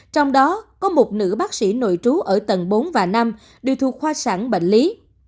trong đó có một nữ bác sĩ nội trú ở tầng bốn và năm đều thuộc khoa sản bệnh lý